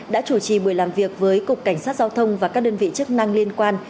đã chủ trì buổi làm việc với cục cảnh sát giao thông và các đơn vị chức năng liên quan